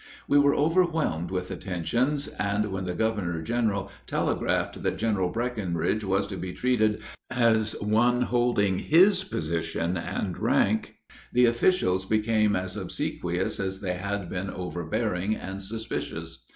We were overwhelmed with attentions, and when the governor general telegraphed that General Breckinridge was to be treated as one holding his position and rank, the officials became as obsequious as they had been overbearing and suspicious.